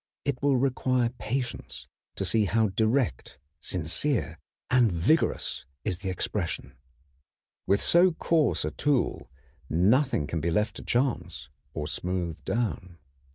It will require patience to see how direct, sincere, and vigorous is the expression. With so coarse a tool nothing can be left to chance or smoothed down.